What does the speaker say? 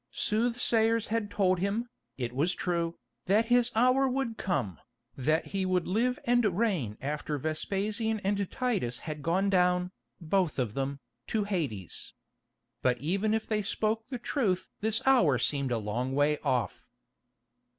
Soothsayers had told him, it was true, that his hour would come, that he would live and reign after Vespasian and Titus had gone down, both of them, to Hades. But even if they spoke the truth this hour seemed a long way off.